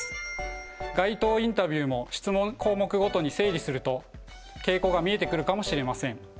街頭インタビューも質問項目ごとに整理すると傾向が見えてくるかもしれません。